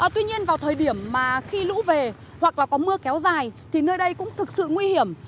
tuy nhiên vào thời điểm mà khi lũ về hoặc là có mưa kéo dài thì nơi đây cũng thực sự nguy hiểm